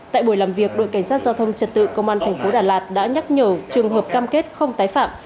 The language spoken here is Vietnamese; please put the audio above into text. tại buổi làm việc đội cảnh sát giao thông trật tự công an tp đà lạt đã nhắc nhở trường hợp cam kết không tái phạm